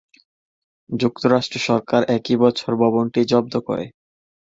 যুক্তরাষ্ট্র সরকার একই বছর ভবনটি জব্দ করে।